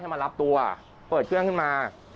มารับตัวเปิดเครื่องขึ้นมา